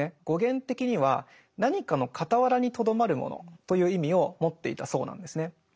語源的には「何かの傍らにとどまるもの」という意味を持っていたそうなんですね。